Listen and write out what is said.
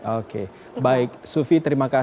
oke baik sufi terima kasih